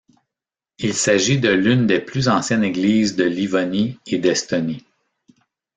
Il s'agit de l'une des plus anciennes églises de Livonie et d'Estonie.